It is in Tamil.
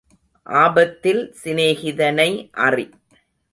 ஆபத்தில் சிநேகிதனை அறி.